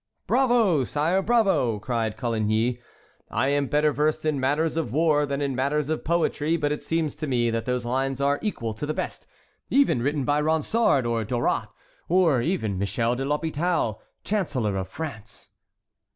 "Bravo! sire, bravo!" cried Coligny, "I am better versed in matters of war than in matters of poetry, but it seems to me that those lines are equal to the best, even written by Ronsard, or Dorat, or even Michel de l'Hôpital, Chancellor of France."